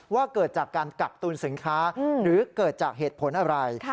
ว่าเกิดจากการกักตุลสินค้าหรือเกิดจากเหตุผลอะไร